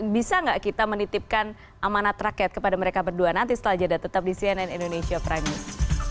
bisa nggak kita menitipkan amanat rakyat kepada mereka berdua nanti setelah jeda tetap di cnn indonesia prime news